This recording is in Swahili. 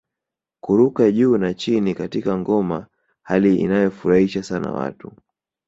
Kuruka juu na chini katika ngoma hali ianoyowafurahisha sana watu